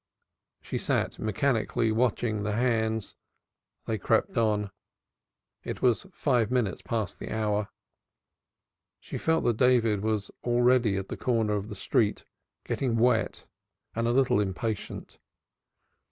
She sat, mechanically watching the hands. They crept on. It was five minutes past the hour. She felt sure that David was already at the corner of the street, getting wet and a little impatient.